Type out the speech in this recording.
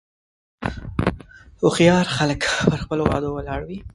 هوښیار خلک په خپلو وعدو ولاړ وي.